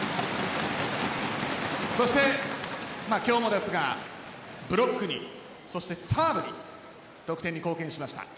今日もですがブロックにサーブに得点に貢献しました。